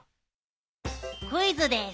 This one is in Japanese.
クイズです。